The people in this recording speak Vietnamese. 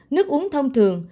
một mươi nước uống thông thường